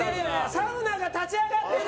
サウナが立ち上がってる！